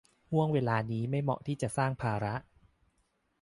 ห้วงเวลานี้ไม่เหมาะที่จะสร้างภาระ